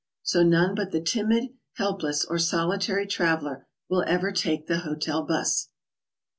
So none but the timid, helpless, or solitary traveler will ever take the hotel bus.